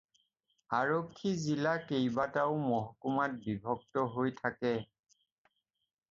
আৰক্ষী জিলা কেইবাটাও মহকুমাত বিভক্ত হৈ থাকে